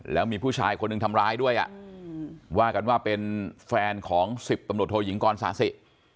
แล้วมีผู้ชายคนหนึ่งทำร้ายด้วยว่ากันว่าเป็นแฟนของ๑๐ตำรวจโทยิงกรสาธิ